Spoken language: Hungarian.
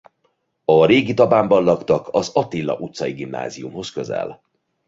A régi Tabánban laktak az Attila utcai gimnáziumhoz közel.